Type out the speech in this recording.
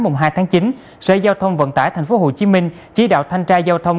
mùng hai tháng chín sở giao thông vận tải tp hcm chỉ đạo thanh tra giao thông